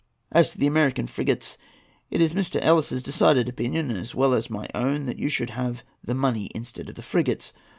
As to the American frigates, it is Mr. Ellice's decided opinion, as well as my own, that you should have the money instead of the frigates.